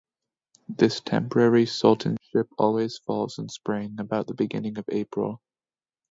This temporary sultanship always falls in spring, about the beginning of April.